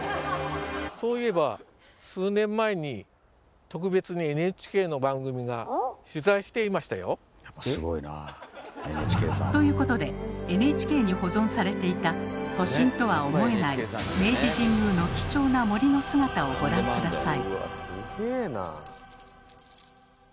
そういえば数年前にということでＮＨＫに保存されていた都心とは思えない明治神宮の貴重な森の姿をご覧下さい。